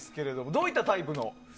どういったタイプの？